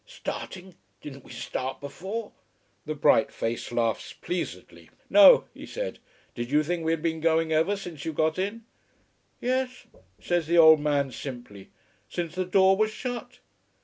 "Starting! Didn't we start before?" The bright face laughs pleasedly. "No," he said. "Did you think we had been going ever since you got in?" "Yes," says the old man, simply, "since the door was shut."